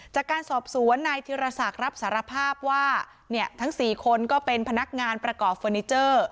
จากการสอบสวนนายธิรศักดิ์รับสารภาพว่าเนี่ยทั้ง๔คนก็เป็นพนักงานประกอบเฟอร์นิเจอร์